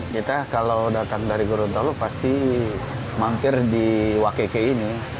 kita kalau datang dari gorontalo pasti mangkir di wakeke ini